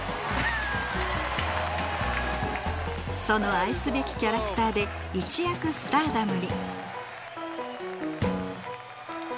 その愛すべきキャラクターで一躍スターダムに。